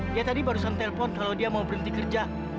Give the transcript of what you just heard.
dia tadi barusan telpon kalau dia mau berhenti kerja